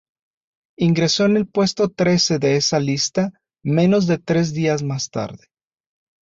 Ingresó en el puesto trece de esa lista menos de tres días más tarde.